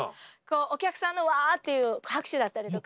お客さんの「わ」っていう拍手だったりとか。